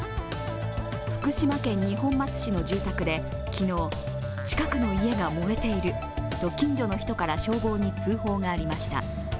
福島県二本松市の住宅で昨日、近くの家が燃えていると近所の人から消防に通報がありました。